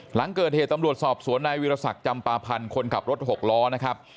หลังเกิดเหตุตำรวจสอบสวนนายวิรสักจำปาพันธ์คนขับรถหกล้อนะครับ